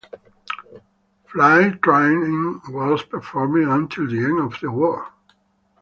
Flight training was performed until the end of the war.